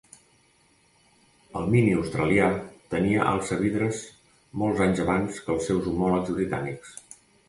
El Mini australià tenia alçavidres molts anys abans que els seus homòlegs britànics.